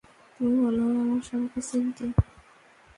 তুমি মনে হয় আমার স্বামীকে চিনতে।